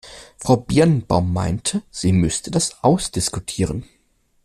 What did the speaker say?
Frau Birnbaum meinte, sie müsste das ausdiskutieren.